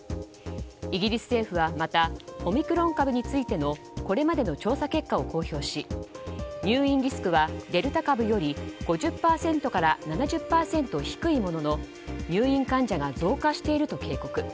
イギリス政府はまたオミクロン株についてのこれまでの調査結果を公表し、入院リスクはデルタ株より５０％から７０％低いものの入院患者が増加していると警告。